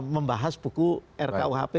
membahas buku rkuhp